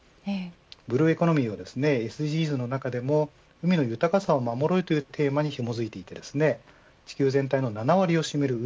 ブルーエコノミーはＳＤＧｓの中でも海の豊かさを守ろうというテーマにひもづいていて地球全体の７割を占める海